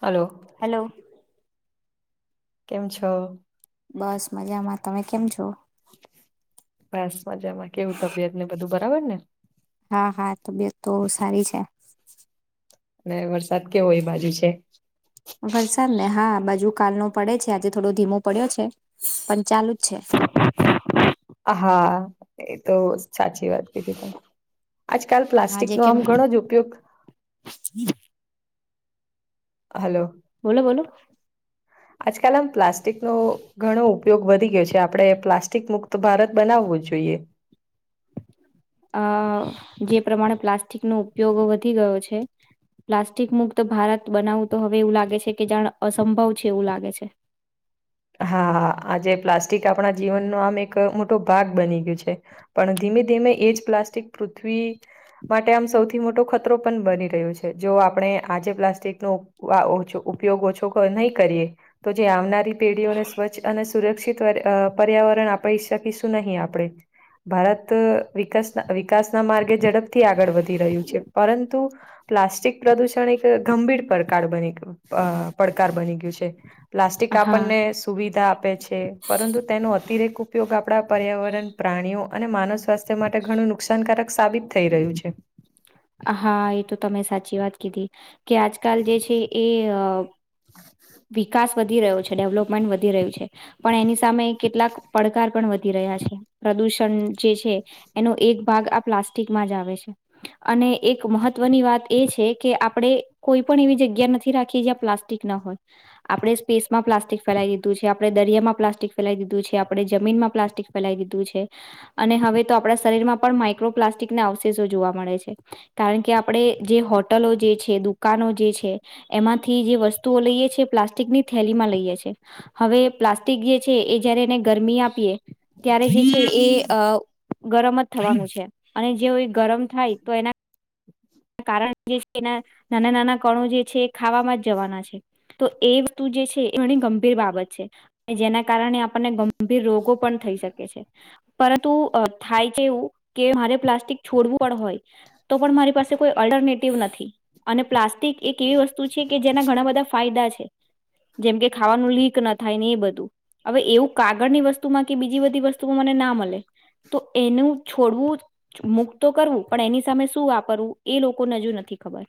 Hello. Hello. કેમ છો? બસ મજામાં. તમે કેમ છો? બસ મજામાં કેવું તબિયત ને બધું બરાબર ને? હા હા તબિયત તો સારી છે. અને વરસાદ કેવો એ બાજુ છે? વરસાદ ને હા આ બાજુ કાલ નો પડે છે આજે થોડો ધીમો પડ્યો છે. પણ ચાલુ જ છે. હા એ તો સાચી વાત કીધી તમે. આજકાલ હા પ્લાસ્ટિક જે નો આમ કેમ ઘણો જ ઉપયોગ હલો. બોલો બોલો. આજકાલ આમ પ્લાસ્ટિક નો ઘણો ઉપયોગ વધી ગયો છે આપડે પ્લાસ્ટિક મુક્ત ભારત બનાવવું જ જોઈએ. અહ જે પ્રમાણે પ્લાસ્ટિક નો ઉપયોગ વધી ગયો છે પ્લાસ્ટિક મુક્ત ભારત બનાવું તો હવે એવું લાગે છે કે જાણ અસંભવ છે એવું લાગે છે. હા આજે પ્લાસ્ટિક આપણા જીવનનો આમ એક મોટો ભાગ બની ગયું છે. પણ ધીમે ધીમે એજ પ્લાસ્ટિક પૃથ્વી માટે આમ સૌથી મોટો ખતરો પણ બની રહ્યો છે. જો આપણે આજે પ્લાસ્ટિકનો વા ઓછ ઉપયોગ ઓછો નહી કરીએ તો જે આવનારી પેઢીઓને સ્વચ્છ અને સુરક્ષિત અહ પર્યાવરણ આપી શકીશું નહીં આપડે. ભારત અહ વિકાસ વિકાસના માર્ગે ઝડપથી આગળ વધી રહ્યું છે પરંતુ પ્લાસ્ટિક પ્રદૂષણ એક ગંભીર પડકાર બની ગુ અહ પડકાર બની ગયું છે. પ્લાસ્ટિક આપ હા ને સુવિધા આપે છે પરંતુ તેનો અતિરેક ઉપયોગ આપણા પર્યાવરણ પ્રાણીઓ અને માનવ સ્વાસ્થ તા માટે ઘણું નુક્સાન કારક સાબિત થઈ રયુ છે. હા એ તો તમે સાચી વાત કીધી. કે આજકાલ જે છે એ અહ વિકાસ વધી રહ્યો છે ડેવલપમેન્ટ વધી રહ્યું છે. પણ એની સામે કેટલાક પડકાર પણ વધી રહ્યા છે. પ્રદૂષણ જે છે એનો એક ભાગ આ પ્લાસ્ટિકમાં જ આવે છે. અને એક મહત્વની વાત એ છે કે આપડે કોઈ પણ એવી જગ્યા નથી રાખીએ જ્યાં પ્લાસ્ટિક ના હોય. આપડે સ્પેસમાં પ્લાસ્ટિક ફેલાઈ દીધું છે આપડે દરિયામાં પ્લાસ્ટિક ફેલાઈ દીધું છે આપડે જમનમાં પ્લાસ્ટિક ફેલાઈ દીધું છે અને હવે તો આપડા શરીરમાં પણ માઈક્રોપ્લાસ્ટિક ના અવશેષો જોવા મળે છે. કારણ કે આપડે જે હોટલો જે છે દુકાનો જે છે એમાંથી જે વસ્તુઓ લઈએ છીએ પ્લાસ્ટિક ની થેલી માં લઈએ છે. હવે પ્લાસ્ટિક જે છે એ જયારે એને ગરમી આપીએ ત્યારે જે છે એ અહ ગરમ જ થવાનું છે અને જે ગરમ થાય તો એના કારણ જે છે એના નાના નાના કણો જે છે એ ખાવામાં જ જવાના છે. તો એ વસ્તુ જે છે એ ઘણી ગંભીર બાબત છે એ જેના કારણે આપણને ગમ ભીર રોગો પણ થઈ શકે છે પરંતુ થાય છે એવું કે મારે પ્લાસ્ટિક છોડવું પડ હોય તો પણ મારી પાસ તો કોઈ અલ્ટરનેટિવ નથી અને પ્લાસ્ટિક એક એવી વસ્તુ છે કે જેના ઘણા બધા ફાયદા છે. જેમકે ખાવાનું લીક ન થાયને એ બધું. હવે એવું કાગળ ની વસ્તુમાં, કે બીજી બધી વસ્તુમાં મને ના મળે. તો એનું છોડવું મુક્તો કરવું, પણ એની સામે શું વાપરવુ? એ લોકોને હજુ નથી ખબર.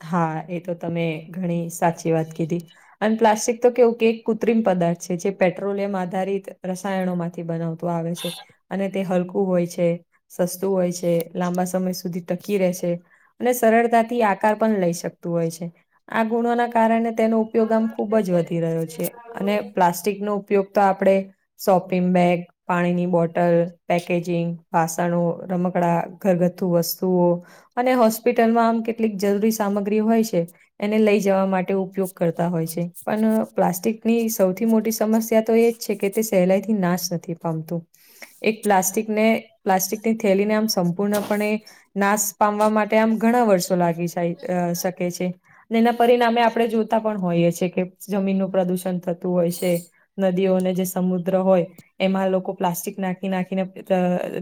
હા, એ તો તમે ઘણી સાચી વાત કીધી. અને પ્લાસ્ટિક તો કેવું કે એક કૃત્રિમ પદાર્થ છે, જે પેટ્રોલિયમ આધારિત રસાયણો માંથી બનાવ તો આવે છે, અને તે હલકું હોય છે. સસ્તું હોય છે, લાંબા સમય સુધી ટકી રહે છે, અને સરળતાથી આ કાર પણ લઈ શકતુ હોય છે, આ ગુણો ના કારણે તેનુ પેદન ખૂબ જ વધી રહ્યો છે, અને પ્લાસ્ટિકનો ઉપયોગ તો આપણે શોપિંગ બેગ પાણીની બોટલ, પેકેજિંગ, વાસણો, રમકડા, ઘરગથ્થુ વસ્તુઓ અને હોસ્પિટલમાં આમ કેટલીક જરૂરી સામગ્રી હોય છે, એને લઈ જવા માટ ઉપયોગ કરતા હોય છે, પણ પ્લાસ્ટિકની સૌથી મોટી સમસ્યા તો એ છે કે તે સેહલાઈ થી નાશ નથી પામતું, એક પ્લાસ્ટિક ને પ્લાસ્ટિક તે થેલીને આમ સંપૂર્ણપણે નાશ પામવા માટે આમ ઘણા વર્ષ લાગી જાય, અ શકે છે, અને એના પરિણામે આપડે જોતા પણ હોઈએ છે કે જમીનનું પ્રદુષણ થતું હોય છે, નદીઓને જે સમુદ્ર હોય એમાં લોકો પ્લાસ્ટિક નાખી નાખીને, ક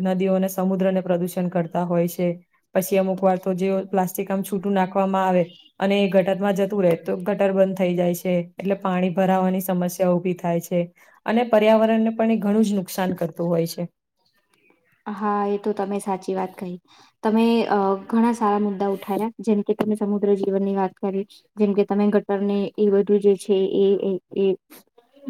અ નદીઓને સમુદ્રને પ્રદુષણ કરતા હોય છે. પછી અમુક વાર તો જેઓ આમ છૂટું નાખવામાં આવે અને એ ગટરમાં જતું રહે તો, ગટર બંધ થઈ જાય છે, એટલે પાણી ભરાવાની સમસ્યા ઊભી થાય છે. અને પર્યાવરણને પણ એ ઘણું જ નુકસાન કરતું હોય છે. હા એ તો તમે સાચી વાત કહી, તમે અહ ઘણા સારા મુદ્દા ઉઠાવયા, જેમ કે તમે સમુદ્ર જીવનની વાત કરી, જેમ કે તમે ગટરની એ બધું જે છે એ, એ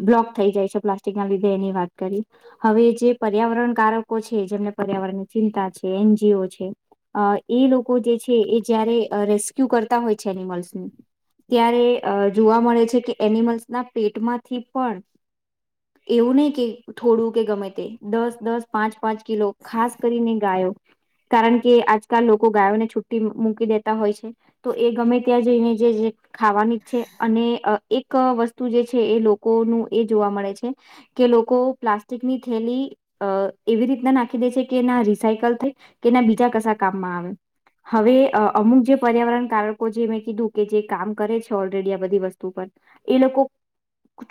બ્લોક થઈ જાય છે પ્લાસ્ટિક લીધે, એની વાત કરી. હવે જે પર્યાવરણ કારકો છે, જેમને પર્યાવરણની ચિંતા છે, એન જી ઓ છે. અ એ લોકો જે છે, એ જયારે અ રેસ્ક્યુ કરતા હોય છે એનિમલ્સનુ. ત્યારે અ જોવા મળે છે કે, એનિમલ્સના પેટમાંથી પણ એવું નહી કે થોડું કે ગમે તે, દસ-દસ, પાંચ-પાંચ, કિલો ખાસ કરીને ગાયો કારણ કે આજકાલ લોકો ગાયોને છુટ્ટી મૂક મૂકી દેતા હોય છે. તો એ ગમે ત્યાં જઈને જે ખાવાનીજ છે, અને અ એક વસ્તુ જે છે, એ લોકોનું એ જોવા મળે છે. કે લોકો પ્લાસ્ટિકની થેલી અ એવી રીતના નાખી દે છે, કે એના રિસાયકલ થઈ, કે ના બીજા કશ કામમાં આવે. હવે અ અમુક જે પર્યાવરણ કારકો, જે મેં કીધું કે જે કામ કરે છે. ઓલરેડી આ બધી વસ્તુ પર, એ લોકો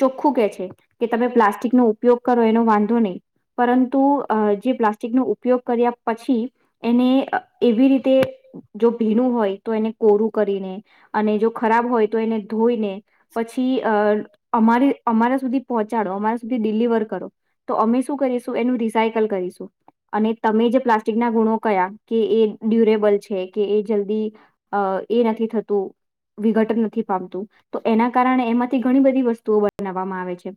ચોખ્ખું કે છે, કે તમે પ્લાસ્ટિકનો ઉપયોગ કરો એનો વાંધો નહી. પરંતુ, અ જે પ્લાસ્ટિકનો ઉપયોગ કર્યા પછી એને અ એવી રીતે જો ભીનું હોય તો, એને કોરું કરીને, અને જો ખરાબ હોય, તો એને ધોઈને. પછી અ અમારે અમારા સુધી પહોંચાડો, અમારા સુધી ડિલિવર કરો. તો અમે શું કરીશું, એનું રિસાયકલ કરીશું. અને તમે જે પ્લાસ્ટિક ના ગુણો કયા, કે એ ડ્યુરેબલ છે, કે એ જલ્દી અ એ નથી થતું, વિઘટ નથી [unintelligible] તો એના કારણે એમાંથી ઘણી બધી વસ્તુઓ બનાવવામાં આવે છે.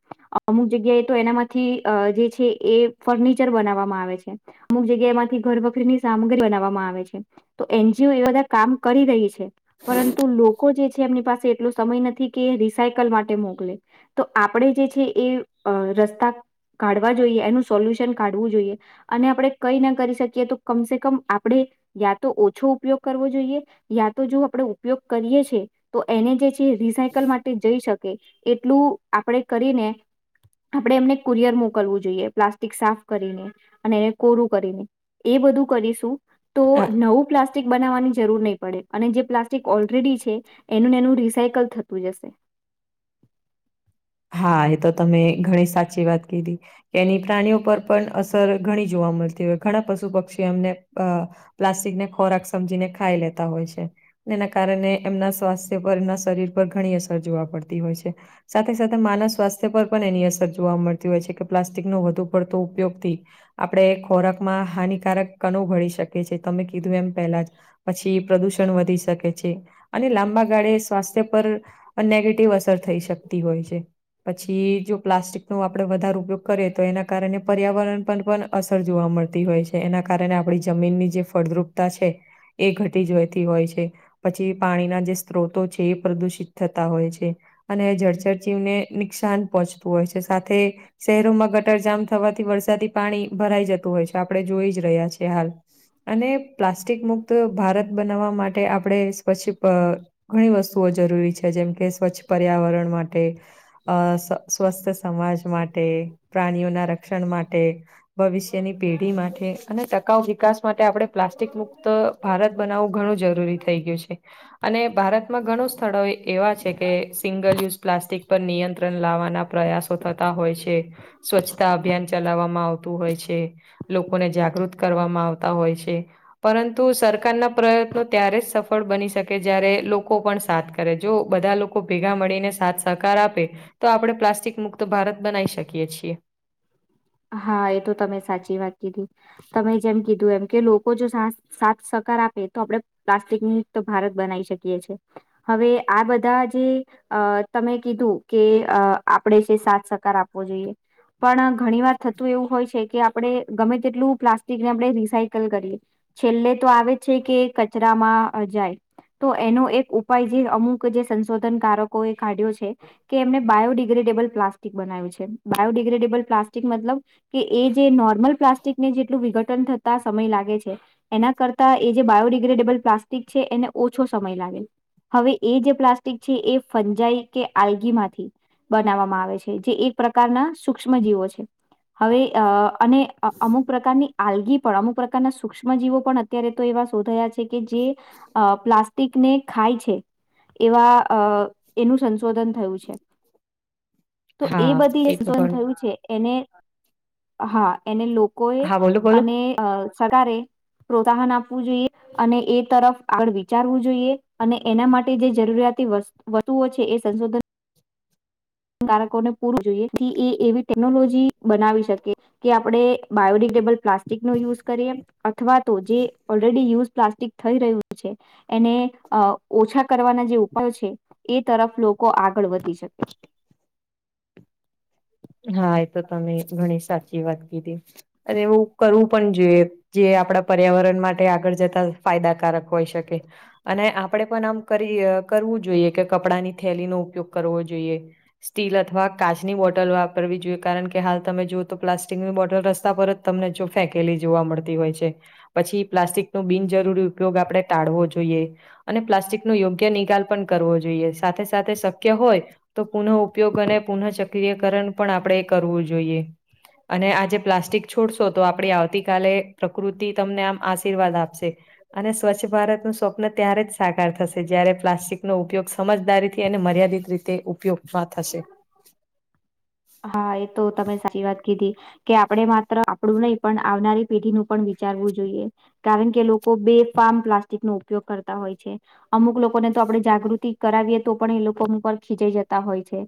અમુક જગ્યાએ તો એનામાંથી અહ જે છે એ ફર્નિચર બનાવવામાં આવે છે. અમુક જગ્યાએ એમાંથી ઘર વખરીની સામગ્રી બનાવવામાં આવે છે. તો એનજીઓ એ બધાં કામ કરી રહી છે. [unintelligible] પરંતુ લોકો જે છે એમની પાસે એટલો સમય નથી કે રિસાયકલ માટે મોકલે તો આપણે જે છે એ અહ રસ્તા કાઢવા જોઈએ. એનું સોલ્યુશન કાઢવું જોઈએ. અને આપણે કઈ ના કરી શકીએ તો કમસે કમ આપડે યા તો ઓછો ઉપયોગ કરવો જોઈએ. યા તો જો આપણે ઉપયોગ કરીએ છે તો એને જે છે રિસાયકલ માટે જઈ શકે. એટલું આપણેે કરીને આપણે એમને કુરિયર મોકલવું જોઈએ. પ્લાસ્ટિક સાફ કરીને. અને એને કોરું કરીને એ બધું કરીશું તો નવું પ્લાસ્ટિક બનાવવાની જરૂર નહીં પડે અને જે પ્લાસ્ટિક ઓલરેડી છે અને એનું રિસાયકલ થતું જશે. હા, એ તો તમે ઘણી સાચી વાત કીધી. એની પ્રાણીઓ પર પણ અસર ઘણી જોવા મળતી હોય ઘણાં પશું પક્ષીઓ અમને અહ પ્લાસ્ટિકને ખોરાક સમજીને ખાઈ લેતાં હોય છે. એનાં કારણે એમનાં સ્વાસ્થ્ય પર એમનાં શરીર પર ઘણી અસર જોવા પડતી હોય છે. સાથે સાથે-સાથે માનવ સ્વાસ્થ્ય પર પણ એની અસર જોવા મળતી હોય છે કે પ્લાસ્ટિકનો વધુ પડતો ઉપયોગથી આપડે ખોરાકમાં હાનિકારક કણુ [unintelligible] શકીએ છી તમે કીધું એમ પહેલાં જ. પછી પ્રદુષણ વધી શકે છે. અને લાંબા ગાળે સ્વાસ્થ્ય પર [unintelligible] નેગેટિવ અસર થઈ શકતી હોય છે. પછી જો પ્લાસ્ટિક નો આપણે વધારે ઉપયોગ કરીએ તો એના કારણે પર્યાવરણ પર પન અસર જોવા મળતી હોય છે. એના કારણે આપણી જમીની જે ફળદ્રુપતા છે એ ઘટી જોયતી હોય છે. પછી પાણીનાં જે સ્ત્રોતો છે એ પ્રદુષિત થતાં હોય છે. અને એ જળ જીવને નુકસાન પહોંચતું હોય છે સાથે શહેરોમાં ગટરજામ થવાથી વરસાદી પાણી ભરાઈ જતું હોય છે આપડે જોઈ જ રહ્યાં છીએ હાલ. અને પ્લાસ્ટિક મુક્ત ભારત બનાવવાં માટે આપણે સ્વચ્છ અહ ઘણી વસ્તુઓ જરૂરી છે. જેમ, કે સ્વચ્છ પર્યાવરણ માટે અહ સ્વસ્થ સમાજ માટે, પ્રાણીઓના રક ક્ષણ માટે, ભવિષ્યની પેઢી માટે અને ટકાઉ વિકાસ માટે આપણે પ્લાસ્ટિક મુક્ત ભારત બનાવવું ઘણું જરૂરી થઈ ગયું છે. અને ભારતમાં ઘણું સ્થળો એવા છે કે સિંગલ યુઝ પ્લાસ્ટિક પર નિયંત્રણ લાવવાનાં પ્રયાસો થતાં હોય છે. સ્વચ્છતા અભિયાન ચલાવવામાં આવતું હોય છે. લોકોને જાગૃત કરવામાં આવતાં હોય છે. પરંતુ સરકારનાં પ્રયત્નો ત્યારે જ સફળ ળ બની શકે જયારે લોકો પણ સાથ કરે. જો બધાં લોકો ભેગા મળીને સાથ સહકાર આપે તો આપણે પ્લાસ્ટિક મુક્ત ભારત બનાવી છીએ. હા એ તો તમે સાચી વાત કીધી તમે જેમ કીધું એમ કે લોકો જો સા સાથ સહકાર આપે તો આપણે પ્લાસ્ટિક મુક્ત ભારત બનાવી શકીએ છીએ. હવે આ બધાં જે અહ તમે કીધું કે અહ આપણે જે સાત સહકાર આપવો જોઈએ પણ ઘણી વાર થતું એવું હોય છે કે આ આપણે ગમે તેટલું પ્લાસ્ટિક ને આપણે રીસાયકલ કરીએ છેલ્લે તો આવે છે કે કચરામાં અહ જાય. તો એનો એક ઉપાય જે અમુક જે સંશોધનકારો- કોએ કાઢ્યો છે કે એમને બાયોડિગ્રેડેબલ પ્લાસ્ટિક બનાવ્યું છે બાયોડિગ્રેડેબલ પ્લાસ્ટિક મતલબ કે એ જે નોર્મલ પ્લાસ્ટિકને જેટલું વિઘટન થતા સમય લાગે છે એના કરતા એ જે બાયોડિગ્રેડેબલ પ્લાસ્ટિક છે એને ઓછો સમય લાગે. હવે એ જે પ્લાસ્ટિક છે એ ફંજાઈ કે આલ્ગી માંથી બનાવવામાં આવે છે જે એક પ્રકારના સૂક્ષ્મ જીવો છે. હવે અહ અને અમુક પ્રકારની આલગી પણ અમુક પ્રકારના સુક્ષ્મ જીવો પણ અત્યારે તો એવા શોધાયા છે કે જે અહ પ્લાસ્ટિકને ખાય છે. એવા અહ એનું સંશોધન થયું છે. તો એ હા બધીય તો સંસોધન ઘણી થયું છે. એને હા એને લોકોએ હા બોલો બોલો. અને અહ સરકારે પ્રોત્સાહન આપવું જોઈએ અને એ તરફ આગળ વિચારવું જોઈએ અને એના માટે જે જરૂરિયાતી વસ્તુ ઓ છે એ સંશોધન બાળકોને પૂરું જોઈએ એથી એ એવી ટેકનોલોજી બનાવી શકે. કે આપણે બાયોડિગેબલ પ્લાસ્ટિક નો યુઝ કરીએ. અથવા તો જે ઓલરેડી યુઝ પ્લાસ્ટિક થઈ રહ્યું છે. એને અહ ઓછા કરવાના જે ઉપાયો છે. એ તરફ લોકો આગળ વધી શકે. હા એ તો તમે ઘણી સાચી વાત કીધી અને એવુ કરવું પણ જોઈએ. જે આપણા પર્યાવરણ માટે આગળ જતા ફાયદાકારક હોય શકે અને આપણેે પણ આમ કરી કરવું જોઈએ કે કપડાની થેલીનો ઉપયોગ કરવો જોઈએ. સ્ટીલ અથવા કાચની બોટલ વા, કરવી જોઈએ કારણ કે હાલ તમે જોઓ તો પ્લાસ્ટિકની બોટલ રસ્તા પર જ તમને જો ફેંકેલી જોવા મળતી હોય છે. પછી પ્લાસ્ટિકનો બિનજરૂરી ઉપયોગ આપણે ટાળવો જોઈએ. અને પ્લાસ્ટિક નો યોગ્ય નિકાલ પણ કરવો જોઈએ સાથે સાથે શક્ય હોય તો પુનઃ ઉપયોગ અને પુનઃ ચક્રીકરણ પણ આપણે કરવું જોઈએ. અને આજે પલાસ્ટીક છોડશો તો આપડી આવતી કાલે પ્રકૃતિ તમને આમ આશીર્વાદ આપશે અને સ્વચ્છ ભારતનું સ્વપ્ન ત્યારે જ સાકાર થશે જ્યારે પ્લાસ્ટિકનો ઉપયોગ સમજદારી થી અને મર્યાદિત રીતે ઉપયોગમાં થશે. [inaudible] હા એ તો તમે સાચી વાત કીધી કે આપણે માત્ર આપડું નહી પણ આવનારી પેઢી નું પણ વિચારવું જોઈએ. કારણ કે લોકો બેફામ પ્લાસ્ટિક નો ઉપયોગ કરતા હોય છે. અમુક લોકોને તો આપડે જાગૃતિ કરાવીએ તો પણ એ લોકો ઉપર ખીચાઈ જતા હોય છે.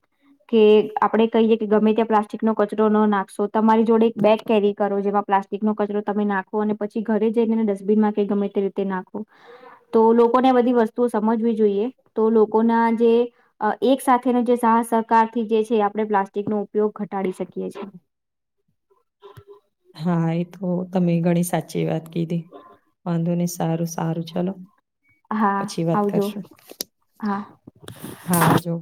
કે આપડે કહીયે કે ગમે ત્યાં પ્લાસ્ટિક નો કચરો ન નાખશો તમારી જોડે એક બેગ કેરી કરો જેમાં પ્લાસ્ટિક નો કચરો તમે નાખો અને પછી ઘરે જઈને ડસ્ટબિનમાં કે ગમે તે રીતે નાખો. તો લોકોને બધી વસ્તુઓ સમજવી જોઈએ તો લોકોના જે એક સાથેનો જે સાહ સહકાર થી જે છે આપણે પ્લાસ્ટિકનો ઉપયોગ ઘટાડી શકીએ છીએ. હા એ તો તમે ઘણી સાચી વાત કીધી વાંધો નય સારું સારું ચલો હા પછી વાત આવજો કરશું. હા હા આવજો.